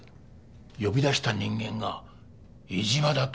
呼び出した人間が江島だと？